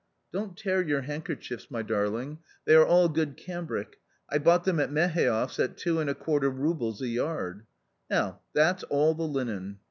Don't tear your handkerchiefs, my darling; they are all good cambric. I bought them at Meheev's at two and a quarter roubles a yard. Now, that's all the linen.